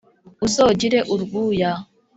uzogire urwuya